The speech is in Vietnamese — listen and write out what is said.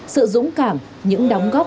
sự dũng cảm những đóng góp